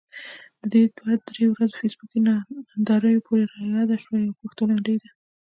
د دې دوه درې ورځو فیسبوکي ناندريو پورې رایاده شوه، يوه پښتو لنډۍ ده: